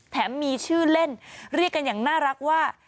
มีชื่อเล่นเรียกกันอย่างน่ารักว่า